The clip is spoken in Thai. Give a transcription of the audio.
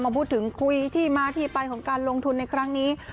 พูดถึงคุยที่มาที่ไปของการลงทุนในครั้งนี้